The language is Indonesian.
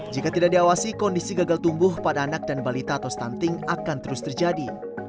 jika tidak diawasi kondisi gagal tumbuh pada anak dan balita atau stunting akan terus terjadi